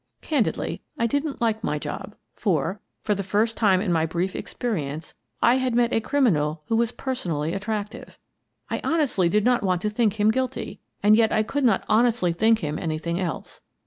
Candidly, I didn't like my job, for (for the first time in my brief experience) I had met a criminal who was personally attractive. I honestly did not want to think him guilty, and yet I could not honestly think him anything else.